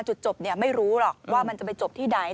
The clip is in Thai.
จุดจบไม่รู้หรอกว่ามันจะไปจบที่ไหน